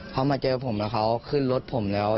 เขามาเจอผมแล้วเขาขึ้นรถผมแล้ว